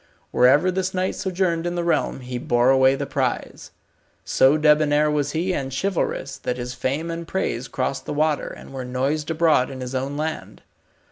Wherever this knight sojourned in the realm he bore away the prize. So debonair was he and chivalrous that his fame and praise crossed the water, and were noised abroad in his own land.